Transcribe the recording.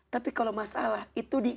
tapi kalau masalah itu